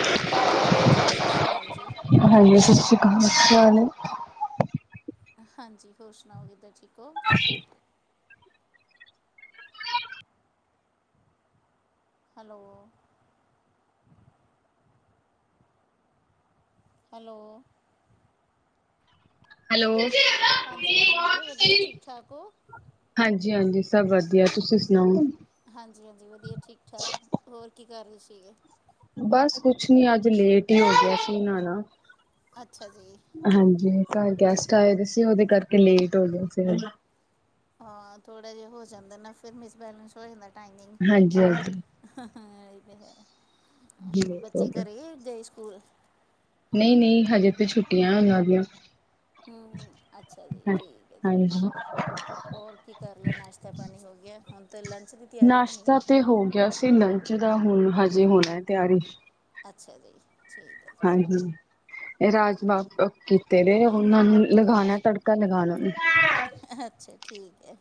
ਹਾਂ ਹਾਂਜੀ ਸਤਿ ਸ਼੍ਰੀ ਅਕਾਲ ਜੀ ਹਾਂਜੀ ਸਤਿ ਸ਼੍ਰੀ ਅਕਾਲ [unintelligible] ਹਾਂਜੀ ਹੋਰ ਸੁਣਾਓ ਜਿੱਦਾਂ ਠੀਕ ਓ ਜ [inaudible] ਹੈਲੋ ਹੈਲੋ ਹੈਲੋ ਮੈਂ ਕਿਹਾ ਵਧੀਆ ਹਾਂਜੀ, ਠੀਕ ਠਾਕ ਹੋ ਹਾਂਜੀ ਸਭ ਵਧੀਆ ਤੁਸੀਂ ਸੁਨਾਓ ਹਾਂਜੀ, ਹਾਂਜੀ ਵਧੀਆ ਠੀਕ ਠਾਕ ਹੋਰ ਕੀ ਕਰ ਰੇ ਸੀਗੇ ਬਸ ਕੁਛ ਨੀ ਅੱਜ ਲੇਟ ਹੀ ਹੋ ਗਿਆ ਸੀ ਇਹਨਾਂ ਦਾ ਅੱਛਾ ਜੀ ਹਾਂਜੀ ਗੈਸਟ ਆਏ ਦੇ ਸੀ ਉਦੇ ਕਰਕੇ ਲੇਟ ਹੋ ਗਏ ਸੀ ਹਾਂ ਥੋੜ੍ਹਾ ਜਿਆ ਹੋ ਜਾਂਦਾ ਨਾ ਫਿਰ ਮਿਸਬੈਲੈਂਸ ਹੋ ਜਾਂਦਾ ਟਾਈਮਿੰਗ ਹਾਂਜੀ ਹਾਂਜੀ ਹ ਲੇਟ ਹੋ ਬੱਚੇ ਘਰੇ ਗਏ ਸਕੂਲ ਨਹੀਂ-ਨਹੀਂ ਹਜੇ ਤੇ ਛੁੱਟੀਆਂ ਉਨਾਂ ਦੀਆਂ ਹੂੰ ਅੱਛਾ ਜੀ ਠੀਕ ਹੈ ਜੀ ਹਾਂਜੀ ਹੋਰ ਕੀ ਕਰ ਲਿਆ ਨਾਸ਼ਤਾ ਪਾਣੀ ਹੋ ਗਿਆ। ਹੁਨ ਤੇ ਲੰਚ ਦੀ ਤਿਆਰੀ ਹੋਣੀ ਹੈ ਨਾਸ਼ਤਾ ਤੇ ਹੋ ਗਿਆ ਸੀ ਲੰਚ ਦਾ ਹੁਨ ਹਜੇ ਹੋਨਾ ਤਿਆਰੀ ਅੱਛਾ ਜੀ ਠੀਕ ਹੈ ਹਾਂ ਹਮ [unintelligible] ਰਾਜ ਜੀ ਬਾਗ ਕੀਤੇ ਦੇ ਉਨਾਂ ਨੂੰ ਲਗਾਉਣਾ ਤੜਕਾ ਲਗਾਣਾ ਅੱਛਾ ਠੀਕ ਏ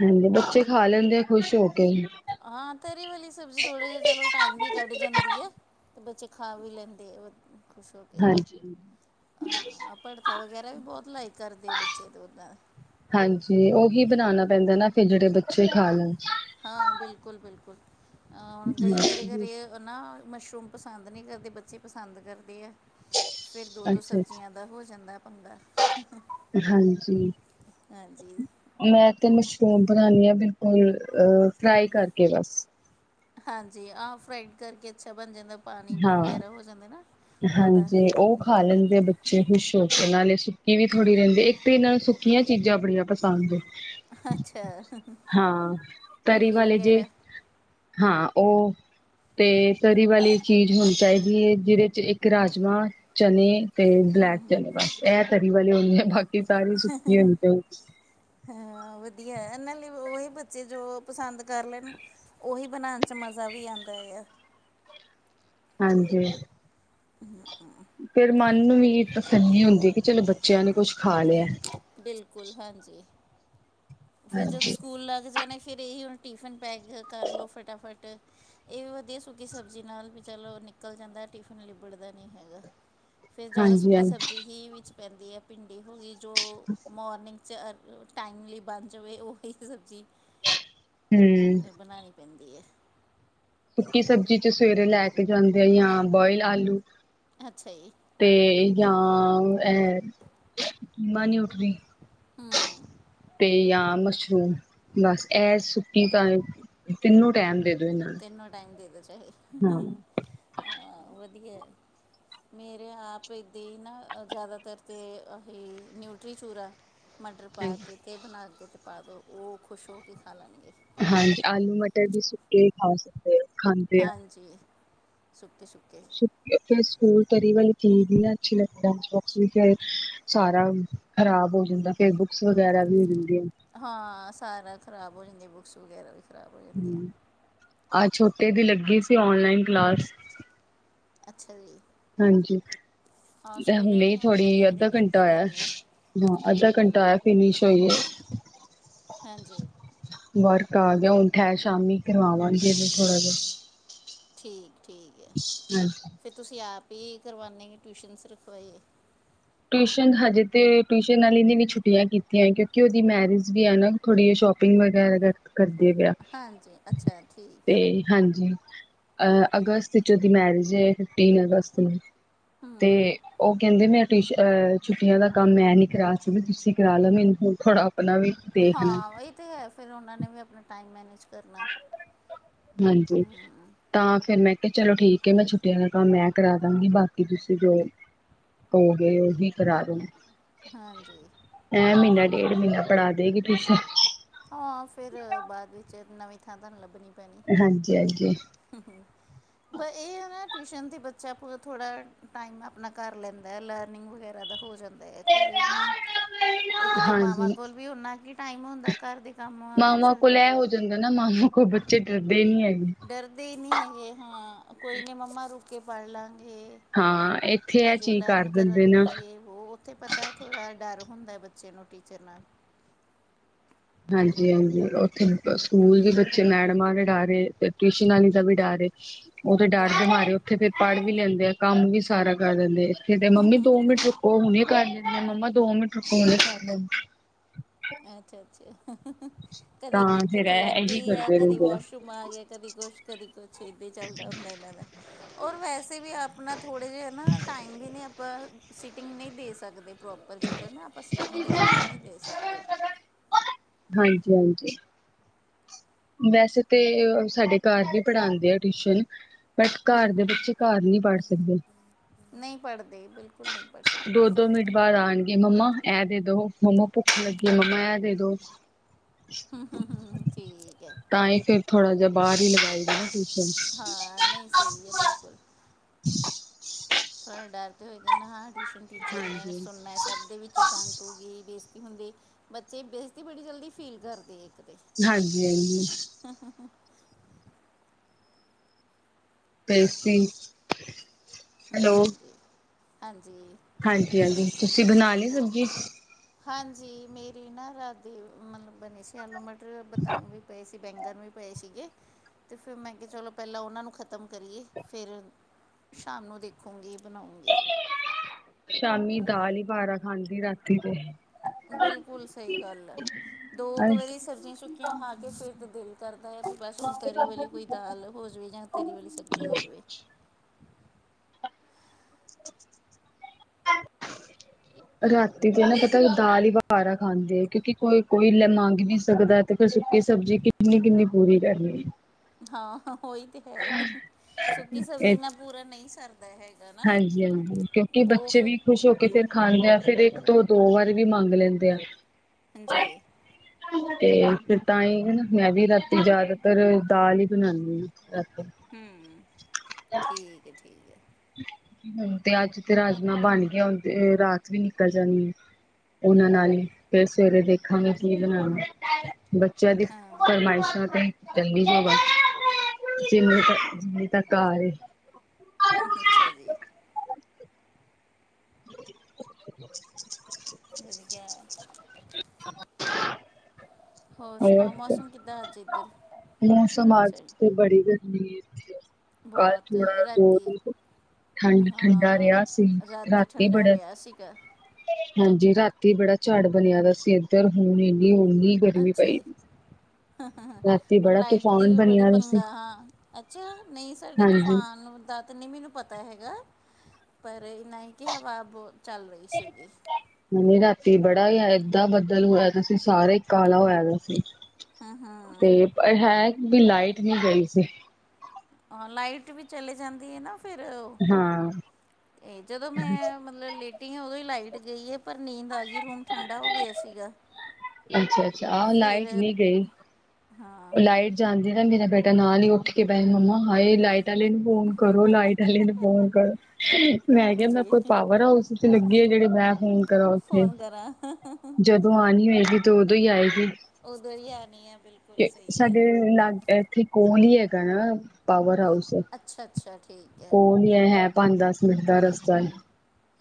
ਹਾਂਜੀ ਬੱਚੇ ਖਾ ਲੈਂਦੇ ਆ ਖੁਸ਼ ਹੋ ਕੇ ਹਾਂ ਤੇਰੀ ਵਾਲੀ ਸਬਜ਼ੀ ਥੋੜੇ ਜਿਹੇ ਚਲੋ ਟਾਈਮ ਵੀ ਕੱਢ ਜਾਂਦੀ ਹੈ ਤੇ ਬੱਚੇ ਖਾ ਵੀ ਲੈਂਦੇ ਆ ਖੁਸ਼ ਹੋ ਕੇ ਹਾਂਜੀ। ਆ ਭੜਥਾ ਵਗੈਰਾ ਵੀ ਬਹੁਤ ਲਾਈਕ ਕਰਦੇ ਆ ਬੱਚੇ ਦੇ ਉੱਦਾਂ ਹਾਂਜੀ ਉਹੀ ਬਣਾਉਣਾ ਪੈਂਦਾ ਨਾ ਫਿਰ ਜਿਹੜੇ ਬੱਚੇ ਹੀ ਖਾ ਲੈਣ। ਹਾਂ ਬਿਲਕੁਲ -ਬਿਲਕੁਲ ਗਈ ਮੇਰੇ ਘਰੇ ਨਾ ਮਸ਼ਰੂਮ ਪਸੰਦ ਨਹੀਂ ਕਰਦੇ ਬੱਚੇ ਪਸੰਦ ਕਰਦੇ ਆ। ਫਿਰ ਦੋ-ਦੋ ਅੱਛਾ ਅੱਛਾ ਸਬਜ਼ੀਆਂ ਦਾ ਹੋ ਜਾਂਦਾ ਪੰਗਾ। ਹਾਂਜੀ ਹਾਂਜੀ ਮੈਂ ਤੇ ਮਸ਼ਰੂਮ ਬਣਾਨਣੀ ਆ ਬਿਲਕੁਲ ਅ ਫਰਾਈ ਕਰਕੇ ਬਸ ਹਾਂਜੀ ਆਹ ਫਰਾਈਡ ਕਰਕੇ ਅੱਛਾ ਬਣ ਜਾਂਦਾ। ਪਾਣੀ ਹਾਂ। ਵਗੈਰਾ ਹੋ ਜਾਂਦੇ ਨਾ ਉਹਦਾ ਨਿਕਲ ਜਾਂਦਾ। ਅ ਖੁਸ਼ ਹੋ ਕੇ ਨਾਲੇ ਸੁੱਕੀ ਵੀ ਥੋੜੀ ਰਹਿੰਦੀ ਇੱਕ ਤੇ ਇਹਨਾਂ ਨੂੰ ਸੁੱਕੀਆਂ ਚੀਜ਼ਾਂ ਬੜੀਆਂ ਪਸੰਦ ਏ। ਅੱਛਾ ਹਾਂ ਤਰੀ ਭਿੰਡੀ ਵਾਲੇ ਜੇ ਵਗੈਰਾ ਹਾਂ ਉਹ ਤੇ ਤਰੀ ਵਾਲੀ ਚੀਜ਼ ਹੋਣੀ ਚਾਹੀਦੀ ਏ ਜਿਹਦੇ ਇੱਕ ਰਾਜਮਾਂ ਚਨੇ ਤੇ ਬਲੈਕ ਚਨੇ ਬਸ ਇਹ ਤਰੀ ਵਾਲੇ ਹੁੰਣੇ ਆ ਬਾਕੀ ਸਾਰੀ ਸੁੱਕੀ ਹੁੰਣੀ ਚਾਹੀ ਹਾਂ ਵਧੀਆ ਇਹਨਾਂ ਲਈ ਉਹੀ ਬੱਚੇ ਜੋ ਪਸੰਦ ਕਰ ਲੈਨ ਉਹੀ ਬਣਾਉਣ 'ਚ ਮਜ਼ਾ ਵੀ ਆਂਦਾ ਆ। ਹਾਂਜੀ [inaudible] ਫੇਰ ਮਨ ਨੂੰ ਵੀ ਤਸੱਲੀ ਹੁੰਦੀ ਕਿ ਚਲੋ ਬੱਚਿਆਂ ਨੇ ਕੁਛ ਖਾ ਲਿਆ। ਬਿਲਕੁਲ ਹਾਂਜੀ ਫਿਰ ਜਦੋਂ ਹਾਂਜੀ ਸਕੂਲ ਲੱਗ ਜਾਣੇ ਫਿਰ ਇਹੀ ਹੁਣ ਟਿਫਿਨ ਪੈਕ ਕਰ ਲੋ ਫਟਾਫਟ ਇਹ ਵੀ ਵਧੀਆ ਸੁਕੀ ਸਬਜ਼ੀ ਨਾਲ ਵੀ ਚਲੋ ਨਿਕਲ ਜਾਂਦਾ ਟਿਫਿਨ ਲਿਬੜਦਾ ਨਹੀਂ ਹੈਗਾ। ਫਿਰ ਜ਼ਿਆਦਾ ਹਾਂਜੀ ਸੁੱਕੀ ਹਾਂਜੀ ਸਬਜ਼ੀ ਹੀ ਵਿੱਚ ਪੈਂਦੀ ਹੈ ਭਿੰਡੀ ਹੋ ਗਈ ਜੋ ਮੋਰਨਿੰਗ 'ਚ ਟਾਈਮਲੀ ਬਣ ਜਾਵੇ ਉਹਹੀ ਸਬਜ਼ੀ ਹੂੰ ਫਿਰ ਬਣਾਂਣੀ ਪੈਂਦੀ ਏ। ਸੁੱਕੀ ਸਬਜ਼ੀ 'ਚ ਸਵੇਰੇ ਲੈ ਕੇ ਜਾਂਦੇ ਆ ਜਾਂ ਬੋਇਲ ਆਲੂ ਅੱਛਾ ਜੀ ਤੇ ਜਾਂ ਇਹ ਚੀਮਾ ਨਿਊਟਰੀ ਹਾਂ ਤੇ ਜਾਂ ਮਸ਼ਰੂਮ ਬਸ ਇਹ ਸੁੱਕੀ ਤਾਂ ਤਿੰਨੋ ਟੈਮ ਦੇ ਦੋ। ਇਹਨਾਂ ਤਿੰਨੋ ਟਾਈਮ ਦੇ ਦੋ ਚਾਹੇ ਨੂੰ ਵਧੀਆ ਮੇਰੇ ਆਪ ਇੱਦਾਂ ਹੀ ਨਾ ਜ਼ਿਆਦਾਤਰ ਤਾਂ ਇਹ ਨਿਊਟਰੀ ਚੂਰਾ ਮਟਰ ਪਾ ਹਾਂ ਕੇ ਅਤੇ ਬਣਾ ਕੇ ਅਤੇ ਪਾ ਦਿਉ ਉਹ ਖੁਸ਼ ਹੋ ਕੇ ਖਾ ਲੈਣਗੇ। ਹਾਂਜੀ ਆਲੂ ਮਟਰ ਵੀ ਸੁੱਕੇ ਖਾ ਸਕਦੇ। ਖਾਂਦੇ ਹਾਂਜੀ ਸੁੱਕੇ- ਸੁੱਕੇ ਫਰ ਸਕੂਲ ਤਰੀ ਵਾਲੀ ਚੀਜ਼ ਵੀ ਅੱਛੀ ਲੱਗਦੀ [unintelligible] ਵੀ ਫਿਰ ਸਾਰਾ ਖਰਾਬ ਹੋ ਜਾਂਦਾ ਫੇਰ ਬੁੱਕਸ ਵਗੈਰਾ ਵੀ ਹੁੰਦੀ ਏ। ਹਾਂ ਸਾਰਾ ਖ਼ਰਾਬ ਹੋ ਜਾਂਦੀ ਬੁੱਕਸ ਵਗੈਰਾ ਵੀ ਖਰਾਬ ਹੋ ਜਾਂਦੀਆਂ ਆਹ ਛੋਟੇ ਦੀ ਲੱਗੀ ਸੀ ਓਨਲਾਈਨ ਕਲਾਸ ਅੱਛਾ ਜੀ, ਹਾਂਜੀ, ਹਾਂ ਤੇ ਸਕੂਲੇ ਨੇ ਹੁਣੇ ਹੁਣ ਦੋ ਥੋੜ੍ਹੀ ਤਿੰਨ ਅੱਧਾ ਦਿਨ ਇੱਦਾਂ ਘੰਟਾ ਹੀ ਆਇਆ ਕਰਨੇ ਹਾਂ ਅੱਧਾ ਹੂੰ ਘੰਟਾ ਹੂੰ ਆਇਆ ਫਿਨਿਸ਼ ਹੋਈ ਏ। ਹਾਂਜੀ ਵਰਕ ਆ ਗਿਆ ਹੁਣ ਠਹਿਰ ਸ਼ਾਮੀ ਕਰਵਾਵਾਂਗੇ ਥੋੜਾ ਜਿਹਾ ਠੀਕ- ਠੀਕ ਏ। [inaudible] ਹਾਂਜੀ ਫਿਰ ਤੁਸੀਂ ਆਪ ਹੀ ਕਰਵਾਉਂਦੇ ਟਿਊਸ਼ਨਸ ਰਖਵਾਈ ਏ। ਟਿਊਸ਼ਨ ਹਜੇ ਤੇ ਟਿਊਸ਼ਨ ਨਾਲ ਇਹਨੇ ਵੀ ਛੁੱਟੀਆਂ ਕੀਤੀਆਂ ਕਿਉਂਕਿ ਉਹਦੀ ਮੈਰਿਜ ਵੀ ਹੈ ਨਾ। ਥੋੜ੍ਹੀ ਜਿਹੀ ਸ਼ੋਪਿੰਗ ਵਗੈਰਾ ਕਰ ਕਰਦੀ ਪਿਆ ਹਾਂਜੀ ਅੱਛਾ ਠੀਕ ਤੇ ਹੈ ਹਾਂਜੀ, ਅ ਅਗਸਤ ਵਿੱਚ ਉਹਦੀ ਮੈਰਿਜ ਏ, ਫਿਫਟੀਨ ਅਗਸਤ ਨੂੰ। ਤੇ ਉਹ ਕਹਿੰਦੇ ਮੈਂ ਟਿਊਸ਼ਨ ਛੁੱਟੀਆਂ ਦਾ ਕੰਮ ਮੈਂ ਨਹੀਂ ਕਰਾ ਸਕਦੀ, ਤੁਸੀਂ ਕਰਾ ਲਓ, ਮੈਨੂੰ ਹੁਣ ਥੋੜ੍ਹਾ ਆਪਣਾ ਵੀ ਦੇਖਣਾ ਹਾਂ ਇਹੀ ਤੇ ਹੈ, ਫਿਰ ਉਹਨਾਂ ਨੇ ਵੀ ਆਪਣਾ ਟਾਈਮ ਮੈਨੇਜ ਕਰਨਾ। ਹਾਂਜੀ, ਤਾਂ ਫੇਰ ਮੈਂ ਕਿਹਾ ਚਲੋ ਠੀਕ ਐ, ਮੈਂ ਛੁੱਟੀਆਂ ਦਾ ਕੰਮ ਮੈਂ ਕਰਾ ਦਾਂਗੀ, ਬਾਕੀ ਤੁਸੀਂ ਜੋ ਹੋ ਗਏ, ਉਹੀ ਕਰਾ ਦੋ ਹਾਂਜੀ, ਐਹ ਮਹੀਨਾ ਡੇਢ ਮਹੀਨਾ ਪੜ੍ਹਾਦੇਗੀ ਟੂਸ਼ਨ। ਹਾਂ, ਫੇਰ ਬਾਅਦ ਵਿੱਚ ਨਵੀਂ ਥਾਂ ਤੁਹਾਨੂੰ ਲੱਭਣੀ ਹਾਂਜੀ -ਹਾਂਜੀ। ਹੂੰ- ਹੂੰ ਪਰ ਇਹ ਹੈ ਨਾ ਟਿਊਸ਼ਨ ਤੇ ਬੱਚਾ ਥੋੜ੍ਹਾ ਟਾਈਮ ਆਪਣਾ ਕਰ ਲੈਂਦਾ, ਲਰਨਿੰਗ ਵਗੈਰਾ ਦਾ। ਹੋ ਜਾਂਦਾ ਏ, ਘਰੇ ਇੱਕ ਤਾਂ ਮਾਵਾਂ ਹਾਂਜੀ ਕੋਲ ਵੀ ਓਨਾ ਕੁ ਟਾਈਮ ਹੁੰਦਾ। ਘਰ ਦੇ ਕੰਮਾਂ ਵਿੱਚ ਮਾਵਾਂ ਕੋਲ ਇਹ ਹੋ ਜਾਂਦਾ ਨਾ, ਮਾਵਾਂ ਕੋਲ ਬੱਚੇ ਡਰਦੇ ਨੀ ਹੈਗੇ। ਡਰਦੇ ਹੀ ਨਹੀਂ ਹੈਗੇ ਹਾਂ ਕੋਈ ਨੀ ਮੰਮਾ ਰੁਕ ਕੇ ਪੜ੍ਹ ਲਾਂਗੇ। ਹਾਂ ਇੱਥੇ ਇਹ ਹਜੇ ਚੀਜ਼ ਕਰ ਲਰਨ ਦਿੰਦੇ ਕਰਨ ਨਾ ਦੋ ਜਿਹ ਉਹ ਉੱਥੇ ਪਤਾ ਹੈ, ਥੋੜ੍ਹਾ ਡਰ ਹੁੰਦਾ ਬੱਚੇ ਨੂੰ ਟੀਚਰ ਨਾਲ। ਹਾਂਜੀ -ਹਾਂਜੀ ਉੱਥੇ ਸਕੂਲ ਵੀ ਬੱਚੇ ਮੈਡਮਾਂ ਦੇ ਡਰ ਏ, ਟਿਊਸ਼ਨ ਵਾਲੀ ਦਾ ਵੀ ਡਰ ਏ। ਉਹ ਤੇ ਡਰਦੇ ਡਰ ਵਾ ਮਾਰੇ ਉੱਥੇ ਫੇਰ ਪੜ੍ਹ ਵੀ ਲੈਂਦੇ ਆ, ਕੰਮ ਵੀ ਸਾਰਾ ਕਰ ਦਿੰਦੇ ਆ, ਇੱਥੇ ਤੇ ਮੰਮੀ ਦੋ ਮਿੰਟ ਰੁ ਉਹ ਹੁਣੇ ਕਰ ਲੈਂਦੀ ਐ, ਮੰਮਾ ਦੋ ਮਿੰਟ ਰੁੱਕੋ ਹੁਣੇ ਕਰ ਲੈਂਦੇ। ਅੱਛਾ -ਅੱਛਾ ਕਦੀ ਤਾਂ ਫੇਰ ਭੁੱਖ ਲੱਗ ਇਹੀ ਗਈ ਐ, ਕਰਦੇ ਕਦੀ ਰਹਿੰਦੇ ਵਾਸ਼ਰੂਮ ਮ ਆ ਗਿਆ, ਕਦੀ ਕੁਛ ਕਦੀ ਕੁਛ ਏਦਾਂ ਹੀ ਚੱਲਦਾ ਹੁੰਦਾ ਇਹਨਾਂ ਦਾ। ਔਰ ਵੈਸੇ ਵੀ ਆਪਣਾ ਥੋੜ੍ਹੇ ਜਿਹੇ ਨਾ ਟਾਈਮ ਵੀ ਨਹੀਂ ਆਪਾਂ ਸੀਟਿੰਗ ਨਹੀਂ ਦੇ ਸਕਦੇ। ਪ੍ਰੋਪਰ ਚਿਗਰ ਨਾ ਆਪਾਂ ਸੀਟਿੰਗ ਦੇ ਦੀਏ, ਨਹੀਂ ਦੇ ਸਕਦੇ। ਹਾਂਜੀ- ਹਾਂਜੀ। ਵੈਸੇ ਤੇ ਸਾਡੇ ਘਰ ਵੀ ਪੜ੍ਹਾਂਦੇ ਆ ਟਿਊਸ਼ਨ। ਬਟ ਘਰ ਦੇ ਬੱਚੇ, ਘਰ ਨਹੀਂ ਪੜ੍ਹ ਸਕਦੇ। ਨਹੀਂ ਪੜ੍ਹਦੇ, ਬਿਲਕੁਲ ਨਹੀਂ ਪੜ੍ਹ ਸਕਦੇ। ਦੋ ਦੋ ਮਿੰਟ ਬਾਅਦ ਆਣਗੇ ਮੰਮਾ ਹਾਂਜੀ ਇਹ ਦੇ ਦੋ, ਮੰਮਾ ਭੁੱਖ ਲੱਗੀ ਐ ਮੰਮਾ ਇਹ ਦੇ ਦੋ ਹੂੰ-ਹੂੰ--ਹੂੰ ਠੀਕ ਐ। ਤਾਂ ਇਹ ਫਿਰ ਥੋੜਾ ਜਹਾ ਬਾਹਰ ਹੀ ਲੱ ਹਾਂ, ਨਹੀਂ ਸਹੀ ਐ ਬਿਲਕੁਲ। ਥੋੜਾ ਡਰ ਤੇ ਹੋਏਗਾ ਨਾ, ਹਾਂ ਟਿਊਸ਼ਨ ਟੀਚਰ ਨੇ ਹਾਂਜੀ ਸੁਣਨਾ ਟੱਬ ਦੇ ਵਿੱਚ ਡੰਟ ਹੋ ਗਈ ਬੇਇਜ਼ਤੀ ਹੁੰਦੀ, ਬੱਚੇ ਬੇਇਜ਼ਤੀ ਬੜੀ ਜਲਦੀ ਫੀਲ ਕਰਦੇ ਇੱਕ ਤੇ। ਹਾਂਜੀ -ਹਾਂਜੀ। ਹੂੰ- ਹੂੰ, ਹਾਂ। ਤੇ ਸੀ। ਹਾਂ ਜੀ, ਹਾਂਜੀ। ਹਾਂਜੀ- ਹਾਂਜੀ, ਤੁਸੀਂ ਬਣਾ ਲੀ ਸਬਜ਼ੀ। ਹਾਂਜੀ, ਮੇਰੀ ਨਾ ਰਾਤੀ, ਮਤਲਬ ਬਣੇ ਸੀ ਆਲੂ- ਮਟਰ, ਬਤਾਉ ਵੀ, ਪਏ ਸੀ। ਬੈਂਗਨ ਵੀ ਪਏ ਸੀਗੇ, ਤੇ ਫਿਰ ਮੈਂ ਕਿਹਾ ਚਲੋ ਪਹਿਲਾਂ ਉਹਨਾਂ ਨੂੰ ਖ਼ਤਮ ਕਰੀਏ, ਫਿਰ ਸ਼ਾਮ ਨੂੰ ਦੇਖੂੰਗੀ ਬਣਾਉਂਗੀ। ਸ਼ਾਮੀ ਦਾਲ ਹੀ ਵਾਰਾ ਖਾਂਦੀ ਏ, ਰਾਤੀ ਤੇ ਬਿਲਕੁਲ ਸਹੀ ਗੱਲ ਐ, ਦੋ ਕੁ ਅੱਛਾ। ਵਾਰੀ ਸਬਜ਼ੀਆਂ ਸੁੱਕੀਆਂ ਖਾ ਕੇ ਫਿਰ ਤੇ ਦਿਲ ਕਰਦਾ ਐ ਤਾਂ ਬਸ ਹੁਣ ਤਰੀ ਵਾਲੀ ਕੋਈ ਦਾਲ ਹੋ ਜਾਵੇ, ਜਾਂ ਤਰੀ ਵਾਲੀ ਸਬਜ਼ੀ ਹੋ ਜਾਵੇ। [inaudible] ਰਾਤੀ ਤੇ ਇਹ ਨਾ ਪਤਾ ਦਾਲ ਹੀ ਵਾਰਾ ਖਾਂਦੇ ਏ, ਕਿਉਂਕਿ ਕੋਈ ਕੋਈ ਲੈ ਮੰਗ ਨੀ ਸਕਦਾ ਤੇ ਸੁੱਕੀ ਸਬਜ਼ੀ ਕਿੰਨੀ- ਕਿੰਨੀ ਪੂਰੀ ਕਰਨੀ ਐ। ਹਾਂ। ਉਹੀ ਤੇ, ਹੈ। ਸੁੱਕੀ ਸਬਜ਼ੀ ਇਹ ਨਾਲ, ਪੂਰਾ ਨਹੀਂ ਸਰਦਾ ਹੈਗਾ। ਨਾ ਹਾਂਜੀ- ਹਾਂਜੀ, ਕਿਉਂਕਿ ਉਹ ਬੱਚੇ ਫਿਰ ਵੀ, ਖੁਸ਼ ਹੋ ਕੇ ਫੇਰ। ਖਾਂਦੇ ਆ। ਫੇਰ ਇੱਕ ਤੋਂ, ਦੋ ਵਾਰੀ ਵੀ, ਮੰਗ ਲੈਂਦੇ ਆ। ਹਾਂਜੀ। ਤੇ, ਫੇਰ ਤਾਂ ਹੀ, ਨਾ ਮੈਂ ਵੀ, ਰਾਤੀ ਜ਼ਿਆਦਾਤਰ ਦਾਲ ਹੀ, ਬਣਾਨਦੀ ਹਾਂ। ਅੱਛ। ਹੂੰ, ਠੀਕ ਹੈ, ਠੀਕ ਹੈ। ਤੇ, ਅੱਜ ਤੇ, ਰਾਜਮਾਂ ਬਣ ਗਏ, ਹੁਣ ਤੇ ਰਾਤ ਵੀ ਨਿਕਲ ਜਾਣੀ ਆ। ਉਹਨਾਂ ਨਾਲ ਹੀ। ਫੇਰ ਸਵੇਰੇ, ਦੇਖਾਂਗੇ ਕੀ ਬਣਾਣਾ। ਬੱਚਿਆਂ ਦੀ, ਹਾਂ ਫਰਮਾਇਸ਼ਾਂ ਤੇ। ਚੰ [unintelligible] ਦੀ ਬ ਜਿ ਤ ਜਿੰਨੀ ਤੱਕ ਘਰ ਐ। ਅੱਛਾ ਜੀ। [inaudible] ਜਦੋ ਕਿ ਆ। ਹੋਰ ਸੁਣਾਓ? ਮੌਸਮ ਕਿੱਦਾਂ, ਅੱਜ ਇੱਧਰ। ਮੌਸਮ, ਤੁਹਾਡੀ ਅੱਜ ਸਾਈਡ? ਤੇ, ਬੜੀ ਗਰਮੀ ਏ ਇਥੇ। ਕੱਲ ਬਹੁਤ ਥੋੜਾ ਦੋ ਰਾਤੀ ਦ। ਠੰਡ- ਠੰਡਾ, ਰਿਹਾ ਸੀ। ਹਾਂ ਰਾਤੀ ਠੰਡਾ ਬੜਾ। ਰਿਹਾ ਸੀਗਾ ਹਾਂਜੀ। ਰਾਤੀ ਬੜਾ, ਝਾੜ ਬਣਿਆ ਪਿਆ ਸੀ, ਇੱਧਰ ਹੁਣ ਇੰਨੀ, ਓਨੀ ਗਰਮੀ ਪਈ। ਹਾਂ ਹਾਂ ਹਾਂ। ਰਾਤੀ ਔਰ, ਬੜਾ ਲਾਈਟ ਦੀ ਤੂਫਾਨ ਵੀ, ਬੜੀ ਬਣਿਆ ਸੀ ਪੰਗਾ, ਹਾਂ। ਅੱਛਾ! ਨਹੀਂ ਸਾਡੇ, ਹਾਂਜੀ ਤੂਫਾਨ ਓਨਦਾ। ਤਾਂ ਨਹੀਂ ਮੈਨੂੰ, ਪਤਾ ਹੈਗਾ। ਪਰ ਇਨਾ ਹੈ, ਕਿ ਹਵਾ ਬਹੁਤ ਚੱਲ ਰਹੀ ਸੀਗੀ। ਮੀਂ, ਰਾਤੀ ਬੜਾ ਹੀ ਆਯਾ। ਏਦਾਂ, ਬੱਦਲ ਹੋਇਆ। ਅਸੀ ਸਾਰੇ, ਕਾਲਾ ਹੋਇਆ ਪਿਆ ਸੀ। ਹੂੰ ਤੇ। ਹੂੰ ਪਰ ਹੈ ਕੀ, ਲਾਈਟ ਨੀ, ਗਈ ਸੀ। ਹਾਂ। ਲਾਈਟ ਵੀ, ਚਲੀ ਜਾਂਦੀ ਹੈ, ਨਾ। ਫੇਰ, ਹਾਂ। ਇਹ ਜਦੋਂ ਮੈਂ, ਸਤ- ਮੈਂ ਲੇਟੀ ਆ, ਉਦੋਂ ਹੀ, ਲਾਈਟ ਗਈ ਹੈ। ਪਰ ਨੀਂਦ ਆ ਗਈ। ਰੂਮ ਠੰਡਾ ਹੋ ਗਿਆ ਸੀਗਾ। ਅੱਛਾ- ਅੱਛਾ, ਆਹ ਲਾਈਟ ਫਿਰ ਨੀ ਗਈ। ਹਾਂ ਲਾਈਟ ਜਾਂਦੀ ਏ ਨਾ, ਮੇਰਾ ਬੇਟਾ ਨਾਲ ਹੀ, ਉੱਠ ਕੇ ਬੈ, ਮੰਮਾ ਹਾਏ, ਲਾਈਟ ਵਾਲੇ ਨੂੰ ਫੋਨ ਕਰੋ। ਲਾਈਟ ਵਾਲੇ ਨੂੰ ਫੋਨ ਕਰੋ। ਮੈਂ, ਕਿਹਾਂਦਾ ਹਾਂਜੀ ਕੋਈ ਪਾਵਰ ਹਾਊਸ। ਤੁਸੀ, ਲੱਗੇ ਜਿਹੜੇ ਬੈ- ਫੋਨ ਕਰਾਂ। ਜਦੋਂ, ਆਉਣੀ ਹੋਏਗੀ। ਤੇ, ਉਦੋਂ ਹੀ ਆਏਗੀ। ਉਹ ਵਧੀਆ? ਸਾਡੇ, ਲਾਗੇ ਇੱਥੇ ਕੋਈ ਨੀ, ਹੈਗਾ ਨਾ, ਪਾਵਰ ਹਾਊਸ। ਅੱਛਾ ਅੱਛਾ ਠੀਕ ਹੈ ਕੋਲ ਹੀ, ਹੈ। ਪੰਜ, ਦਸ ਮਿੰਟ ਦਾ ਰਸਤਾ ਹੀ।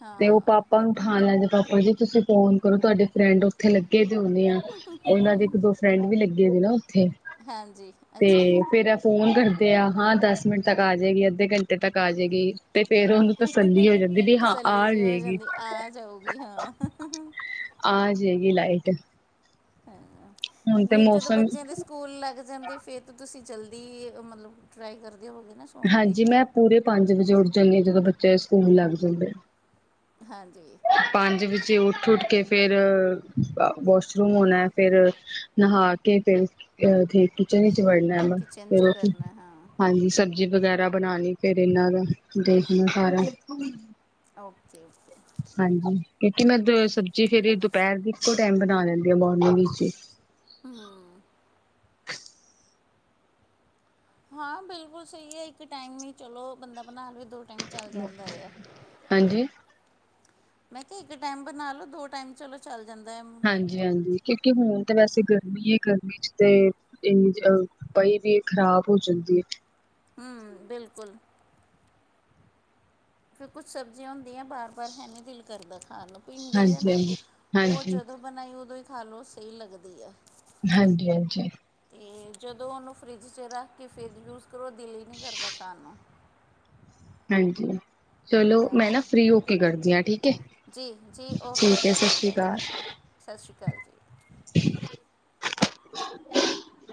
ਹਾਂ। ਹਾਂਾਲਾਂ ਜੇ ਪਾਪਾ ਜੀ, ਤੁਸੀਂ ਫੋਨ ਕਰੋ, ਤੁਹਾਡੇ ਫਰੈਂਡ, ਉੱਥੇ ਲੱਗੇ ਦੇ ਹੁੰਣੇ ਆ। ਉਹਨਾਂ ਦੇ ਇੱਕ, ਦੋ ਫਰੈਂਡ ਵੀ, ਲੱਗੇ ਸੀ, ਨਾ। ਉੱਥੇ, ਹਾਂਜੀ ਤੇ ਅੱਛਾ ਜੀ ਫੇਰ। ਫੋਨ ਕਰਦੇ ਆ। ਹਾਂ, ਦਸ ਮਿੰਟ ਤੱਕ, ਆ ਜਾਏਗੀ। ਅੱਧੇ ਘੰਟੇ ਤੱਕ ਆ ਜਾਏਗੀ। ਤੇ ਫੇਰ, ਉਹਨੂੰ ਤਸੱਲੀ, ਹੋ ਜਾਂਦੀ ਵੀ, ਹਾਂ ਤਸੱਲੀ ਆ ਜੀ ਹੋ ਜਾਏਗੀ। ਜਾਂਦੀ ਆ ਜਾਊਗੀ ਹਾਂ। ਹ- ਹਾਂ। ਆ ਜਾਵੇਗੀ ਲਾਈਟ। ਹਾਂ। ਹੁਣ ਤੇ ਫੇਰ ਜਦੋਂ ਮੌਸਮ ਬੱਚਿਆਂ ਦੇ। ਸਕੂਲ ਲੱਗ ਜਾਂਦੇ ਆ। ਫੇਰ ਤਾਂ ਤੁਸੀਂ ਜਲਦੀ, ਮਤਲਬ ਟਰਾਈ ਕਰਦੇ ਹੋ, ਗੇ ਨਾ। ਸੌਣ ਦੀ ਹਾਂਜੀ। ਮੈਂ, ਪੂਰੇ ਪੰਜ ਵਜੇ ਉੱਠ ਜਾਂਦੀ ਹਾਂ। ਜਦੋਂ ਬੱਚੇ ਸਕੂਲ ਲੱਗ ਜਾਂਦੇ। ਹਾਂਜੀ। ਪੰਜ ਵਜੇ ਉੱਠ- ਉੱਠ ਕੇ। ਫੇਰ, ਵਾਸ਼ਰੂਮ ਹੋਣਾ ਹੈ। ਫਿਰ, ਨਹਾ ਕੇ ਫਿਰ ਉਥੇ ਕਿਚਨ ਵਿੱਚ ਵੜਨਾ ਵੈਂ, ਕਿਚਨ ਚ ਫਿਰ ਉਥੇ ਕਰਨਾ ਹਾਂ ਹਾਂਜੀ ਸ ਜੀ ਵਗੈਰਾ ਬਣਾਣੀ ਫੇਰ ਇਹਨਾਂ ਦਾ ਦੇਖਣਾ ਸਾਰਾ ਓਕੇ ਓਕੇ ਹਾਂਜੀ ਕਿਉਂਕਿ ਮੈਂ ਸਬਜ਼ੀ ਫੇਰ ਦੁਪਹਿਰ ਦੀ ਇੱਕੋ ਟਾਈਮ ਬਣਾ ਲੈਂਦੀ ਹਾਂ ਮੋਰਨਿੰਗ ਵਿੱਚ ਹੀ ਹਮ ਹਾਂ ਬਿਲਕੁਲ ਸਹੀ ਹੈ ਇੱਕ ਟਾਈਮ ਨ ਚਲੋ ਬੰਦਾ ਬਣਾ ਲਵੇ ਦੋ ਟਾਈਮ ਚੱਲ ਜਾਂਦਾ ਆ ਹਾਂਜੀ ਮੈਂ ਕਿਹਾ ਇੱਕ ਟਾਈਮ ਬਣਾ ਲਉ ਦੋ ਟਾਈਮ ਚਲੋ ਚੱਲ ਜਾਂਦਾ ਹੈ ਹਾਂਜੀ ਹਾਂਜੀ ਕਿਉਂਕਿ ਹੁਣ ਤਾਂ ਵੈਸੇ ਗਰਮੀ ਹੈ ਗਰਮੀ ਚ ਤੇ ਇਹ ਅਹ ਪਈ ਵੀ ਇਹ ਖ਼ਰਾਬ ਹੋ ਜਾਂਦੀ ਹੈ ਹਮ ਬਿਲਕੁਲ ਫਿਰ ਕੁਛ ਸਬਜ਼ੀਆਂ ਹੁੰਦੀਆਂ ਵਾਰ ਵਾਰ ਹੈ ਨਹੀਂ ਦਿਲ ਕਰਦਾ ਖਾਣ ਨੂੰ ਭਿੰਡੀ ਹੈ ਹਾਂਜੀ ਨਾ ਹਾਂਜੀ ਉਹ ਹਾਂਜੀ ਜਦੋਂ ਬਣਾਈ ਉਦੋਂ ਹੀ ਖਾ ਲਓ ਸਹੀ ਲੱਗਦੀ ਆ ਹਾਂਜੀ ਹਾਂਜੀ। ਤੇ ਜਦੋਂ ਉਹਨੂੰ ਫਰਿੱਜ ਰੱਖ ਕੇ ਫਿਰ ਯੂਜ ਕਰੋ ਦਿਲ ਹੀ ਨਹੀਂ ਕਰਦਾ ਖਾਣ ਨੂੰ ਹਾਂਜੀ ਚਲੋ ਮੈਂ ਨਾ ਹਾਂ ਫਰੀ ਹੋ ਕੇ ਕਰਦੀ ਹ ਠੀਕ ਹੈ ਜੀ ਜੀ ਓਕੇ ਠੀਕ ਸਤ ਡੀਅਰ ਸ਼੍ਰੀ ਬਾਏ ਅਕਾਲ ਸਤਿ ਸ਼੍ਰੀ ਅਕਾਲ ਜੀ [inaudible]